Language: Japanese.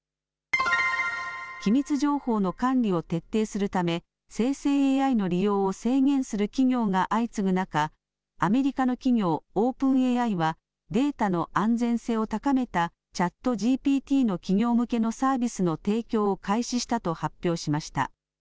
機密情報の管理を徹底するため生成ＡＩの利用を制限する企業が相次ぐ中、アメリカの企業、オープンＡＩはデータの安全性を高めたＣｈａｔＧＰＴの企業向けのサービスの提供を開始したと発表しました。